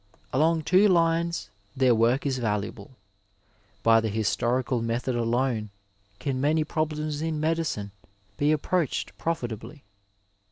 Along two lines their work is valuable. By the historical method alone can many problems in medicine be approached profitably.